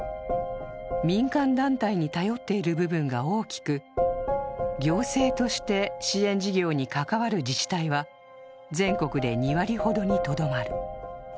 民間団体に頼っている部分が大きく、行政として支援事業に関わる自治体は全国で２割ほどにとどまる。